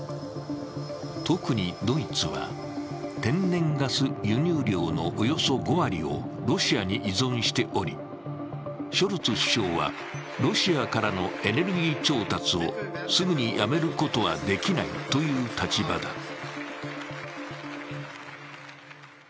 特にドイツは天然ガス輸入量のおよそ５割をロシアに依存しており、ショルツ首相はロシアからのエネルギー調達をすぐにやめることはできないという立場だ。